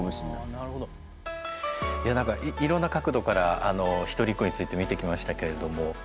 いろんな角度からひとりっ子について見てきましたけれども。